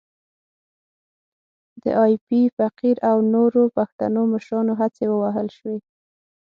د ایپي فقیر او نورو پښتنو مشرانو هڅې ووهل شوې.